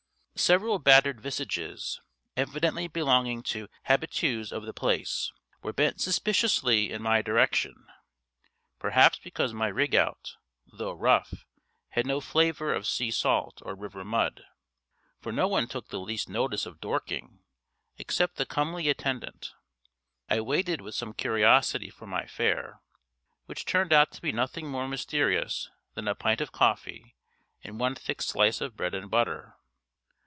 Several battered visages, evidently belonging to habitués of the place, were bent suspiciously in my direction; perhaps because my rig out, though rough, had no flavour of sea salt or river mud, for no one took the least notice of Dorking, except the comely attendant. I waited with some curiosity for my fare, which turned out to be nothing more mysterious than a pint of coffee and one thick slice of bread and butter.